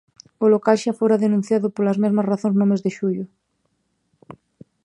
O local xa fora denunciado polas mesmas razóns no mes de xullo.